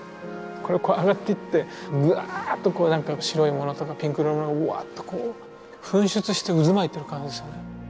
これこう上がっていってわっとこうなんか白いものとかピンクのものがわっとこう噴出して渦巻いてる感じですよね。